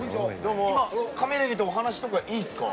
今カメラ入れてお話とかいいですか？